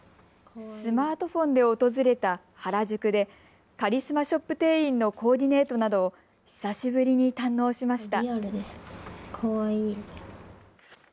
スマートフォンで訪れた原宿でカリスマショップ店員のコーディネートなどを久しぶりに堪能しました。